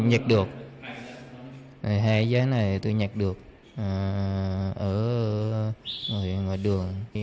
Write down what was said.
tôi nhặt được hai giấy này tôi nhặt được ở đường